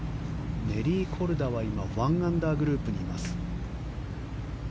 ネリー・コルダは１アンダーグループにいます。